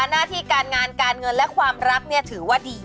หน้าที่การงานการเงินและความรักเนี่ยถือว่าดี